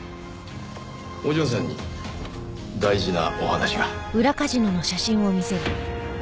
お嬢さんに大事なお話が。